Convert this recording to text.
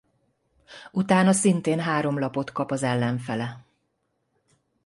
Utána szintén három lapot kap az ellenfele.